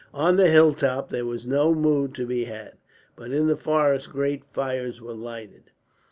On the hilltop there was no wood to be had, but in the forest great fires were lighted.